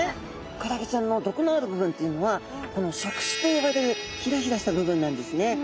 クラゲちゃんのどくのあるぶぶんというのはこの触手とよばれるひらひらしたぶぶんなんですね。